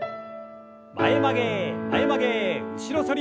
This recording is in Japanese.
前曲げ前曲げ後ろ反り。